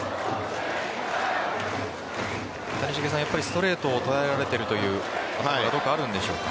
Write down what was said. やっぱりストレートを捉えられているというのはどこかあるんでしょうか？